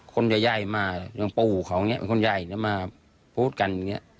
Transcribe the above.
คนใหญ่มาอย่างปู่เขาเนี่ยเป็นคนใหญ่มาพูดกันอย่างนี้